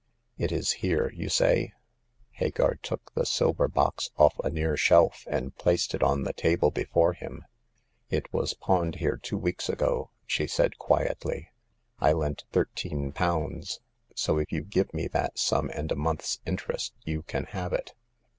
It is here, you say ?" Hagar took the silver box off a near shelf, and placed it on the tabk before him. "It was The Ninth Customer. 247 pawned here two weeks ago/' she said, quietly. I lent thirteen pounds ; so, if you give me that sum and the month's interest, you can have it."